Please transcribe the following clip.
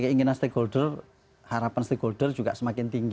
keinginan stakeholder harapan stakeholder juga semakin tinggi